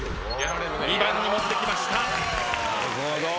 ２番に持ってきました。